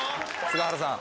菅原さん